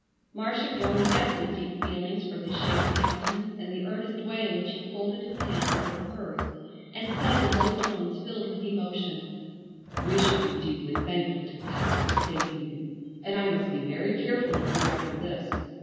Marcia could only guess his deep feelings from his shaken countenance and the earnest way in which he folded his hands over hers and said in low tones filled with emotion: "We should be deeply thankful to God for saving you, and I must be very careful of you after this.